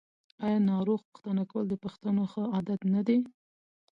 آیا ناروغ پوښتنه کول د پښتنو ښه عادت نه دی؟